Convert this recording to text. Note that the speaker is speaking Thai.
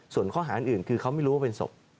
ส่วนข้อหาอันอื่นเพราะเขาก็ไม่รู้ว่าเป็นศพ